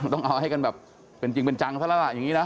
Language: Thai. ต้องเอาให้กันแบบเป็นจริงเป็นจังซะแล้วล่ะอย่างนี้นะ